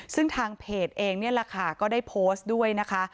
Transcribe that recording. ซึ่งทางเพจเองนี่แหละค่ะก็ได้โพสต์ด้วยนะคะ